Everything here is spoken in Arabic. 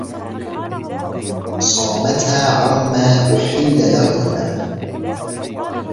صَامَتَا عَمَّا أُحِلَّ لَهُمَا